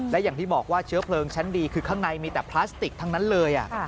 และอย่างที่บอกว่าเชื้อเพลิงชั้นดีคือข้างในมีแต่พลาสติกทั้งนั้นเลย